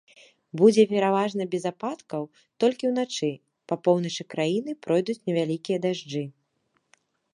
Будзе пераважна без ападкаў, толькі ўначы па поўначы краіны пройдуць невялікія дажджы.